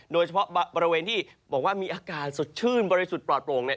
โดยเฉพาะบริเวณที่บอกว่ามีอากาศสดชื่นบริสุทธิ์ปลอดโปร่งเนี่ย